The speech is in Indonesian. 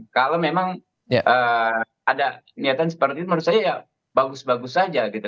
kalau memang ada niatan seperti itu menurut saya ya bagus bagus saja gitu